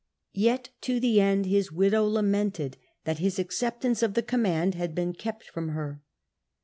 Yet to the end his widow lamented that his acceptance of the command had been kept from her.